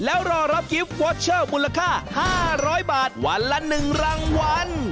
แล้วรอรับกิฟต์วอเชอร์มูลค่า๕๐๐บาทวันละ๑รางวัล